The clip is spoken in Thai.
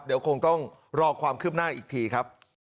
เดี๋ยวคงต้องรอความคืบหน้าอีกทีครับ